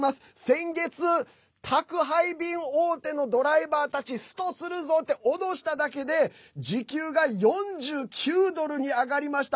先月、宅配便大手のドライバーたちストするぞ！って脅しただけで時給が４９ドルに上がりました。